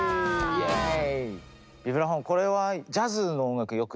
イエーイ！